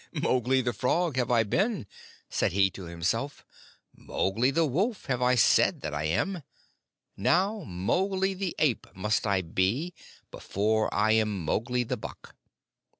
"Mowgli the Frog have I been," said he to himself; "Mowgli the Wolf have I said that I am. Now Mowgli the Ape must I be before I am Mowgli the Buck.